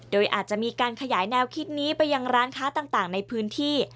โดยอาจจะมีการขยายแนวคิดนี้ไปยังร้านค้าต่างในพื้นที่